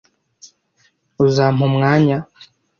Uzampa umwanya?